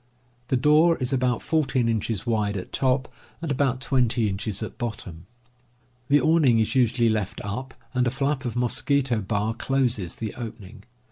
The door is about 14 inches wide at top and about 20 inches at bottom. The awning is usually left up, and a flap of mosquito bar closes the opening.